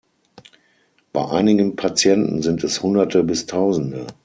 Bei einigen Patienten sind es Hunderte bis Tausende.